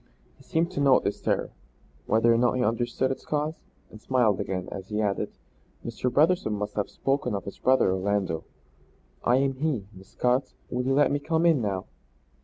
He seemed to note this terror, whether or not he understood its cause, and smiled again, as he added: "Mr. Brotherson must have spoken of his brother Orlando. I am he, Miss Scott. Will you let me come in now?"